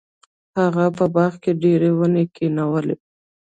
هغه په باغ کې ډیرې ونې کینولې.